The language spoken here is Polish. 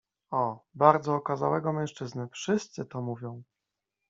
— O… bardzo okazałego mężczyznę, wszyscy to mówią.